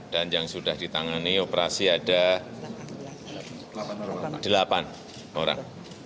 dan yang sudah ditangani operasi ada delapan orang